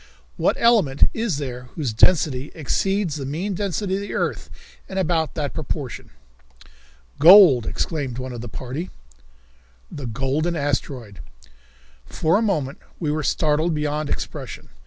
What element is there whose density exceeds the mean density of the earth in about that proportion?" "Gold," exclaimed one of the party. The Golden Asteroid! For a moment we were startled beyond expression.